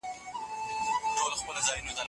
که مېتود وي نو درس نه سخت کیږي.